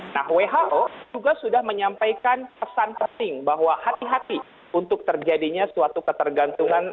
nah who juga sudah menyampaikan pesan penting bahwa hati hati untuk terjadinya suatu ketergantungan